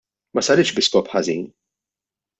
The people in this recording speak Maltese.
Ma saritx bi skop ħażin.